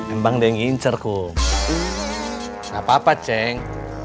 emang dia yang ngincer kum gak apa apa ceng